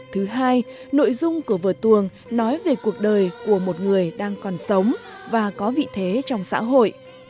thứ hai nội dung của vở tuồng nói về cuộc đời của một người đang còn sống và có vị thế trong xã hội